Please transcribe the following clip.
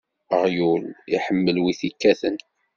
Aɣyul iḥemmel win i t-ikkaten.